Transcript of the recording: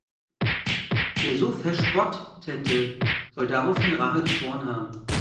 Der so Verspottete soll daraufhin Rache geschworen haben.